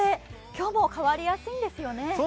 今日も変わりやすいんですよね？